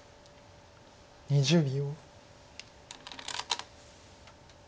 ２０秒。